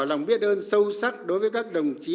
lòng biết ơn sâu sắc đối với các đồng chí